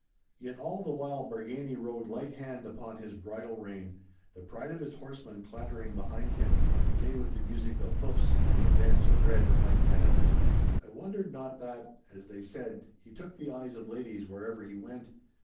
Yet all the while Bargany rode light hand upon his bridle rein, the pride of his horsemen clattering behind him, gay with the music of hoofs and the dance of red and white pennons. I wondered not that, as they said, he took the eyes of ladies wherever he went.